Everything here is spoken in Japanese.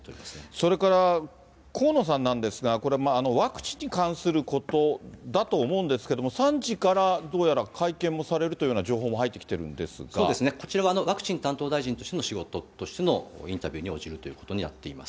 それから河野さんなんですが、これ、ワクチンに関することだと思うんですけれども、３時からどうやら会見もされるというような情報も入ってきてるんそうですね、こちらはワクチン担当大臣としての仕事としてのインタビューに応じるということになっています。